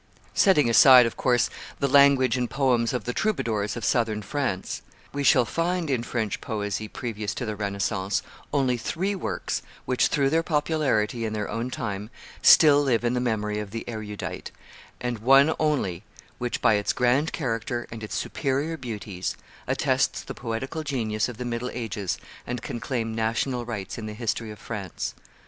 Setting aside, of course, the language and poems of the troubadours of Southern France, we shall find, in French poesy previous to the Renaissance, only three works which, through their popularity in their own time, still live in the memory of the erudite, and one only which, by its grand character and its superior beauties, attests the poetical genius of the middle ages and can claim national rights in the history of France.